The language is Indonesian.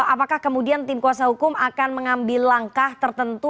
apakah kemudian tim kuasa hukum akan mengambil langkah tertentu